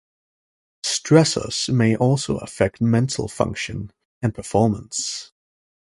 Stressors may also affect mental function and performance.